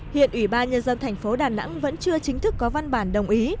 hiện ủy ban nhân dân thành phố đà nẵng vẫn chưa chính thức có văn bản đồng ý